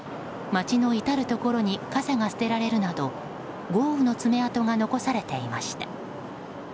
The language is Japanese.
街の至るところに傘が捨てられるなど豪雨の爪痕が残されていました。